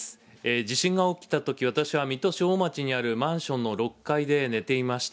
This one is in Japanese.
地震が起きたとき、私は水戸市おおまちにあるマンションの６階で寝ていました。